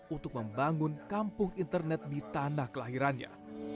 untuk membangun kampung internet di tanah kelahirannya